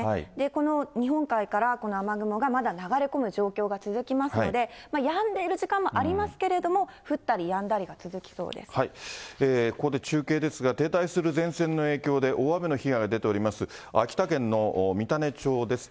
この日本海から、この雨雲がまだ流れ込む状況が続きますので、やんでいる時間もありますけれども、ここで中継ですが、停滞する前線の影響で、大雨の被害が出ております、秋田県の三種町です。